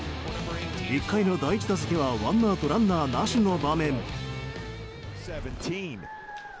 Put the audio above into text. １回の第１打席はワンアウトランナーなしの場面。